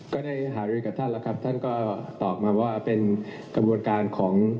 ก็ได้หารือกับท่านแล้วครับท่านก็ตอบมาว่าเป็นกระบวนการของ